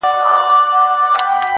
د حج پچه کي هم نوم د خان را ووت ،